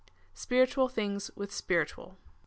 Spiritual things with spiritual.